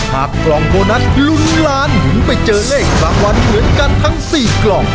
หากกล้องโบนัสลุนล้านหยุ่นไปเจอเลขประวัติเหมือนกันทั้ง๔กล้อง